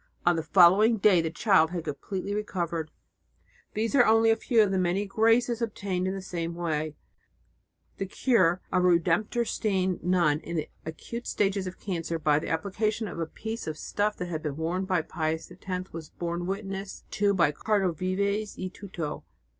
On the following day the child had completely recovered. These are only a few of the many graces obtained in the same way. The cure of a Redemptoristine nun in the acute stages of cancer by the application of a piece of stuff that had been worn by Pius X was borne witness to by Cardinal Vives y Tuto.